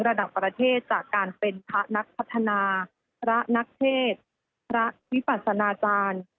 ระดับประเทศจากการเป็นพระนักพัฒนาพระนักเทศพระวิปัสนาจารย์